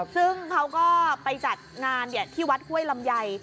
ซึ่งเขาก็ไปจัดงานที่วัดห้วยลำไย